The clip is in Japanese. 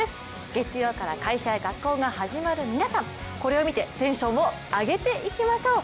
月曜から会社や学校が始まる皆さん、これを見てテンションを上げていきましょう。